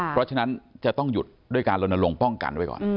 เพราะฉะนั้นจะต้องหยุดด้วยการลนลงป้องกันไว้ก่อน